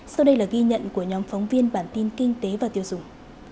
sau đây là ghi nhận của nhóm phóng viên bản tin kinh tế và tiêu dùng